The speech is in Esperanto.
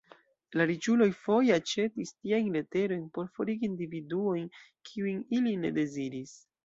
La riĉuloj foje aĉetis tiajn leterojn por forigi individuojn kiujn ili ne deziris.